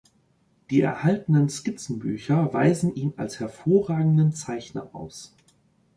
Die erhaltenen Skizzenbücher weisen ihn als hervorragenden Zeichner aus.